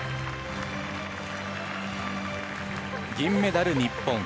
銀メダル、日本。